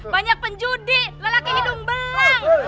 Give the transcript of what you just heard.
banyak penjudi lelaki hidung belang